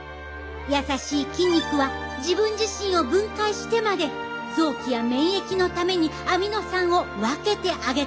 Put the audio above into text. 優しい筋肉は自分自身を分解してまで臓器や免疫のためにアミノ酸を分けてあげたのです。